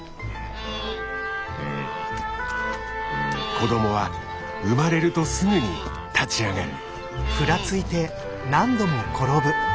子どもは生まれるとすぐに立ち上がる。